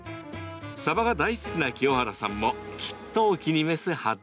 さばが大好きな清原さんもきっとお気に召すはず。